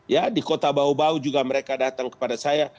ya di kota bau bau juga mereka datang kepada saya